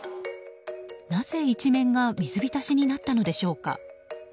なぜ、一面が水浸しになったのでしょうか。